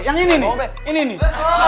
yang ini nih ini nih